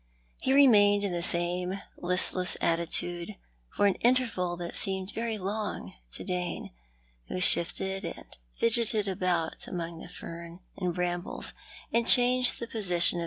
He remained in the same listless attitude for an interval that seemed very long to Dane, who shifted and fidgeted about among the fern and brambles, and changed the position of hi.